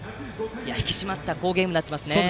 引き締まった好ゲームになってますね。